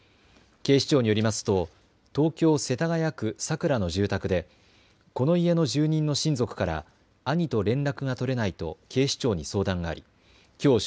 警視庁によりますと東京世田谷区桜の住宅でこの家の住人の親族から兄と連絡が取れないと警視庁に相談がありきょう正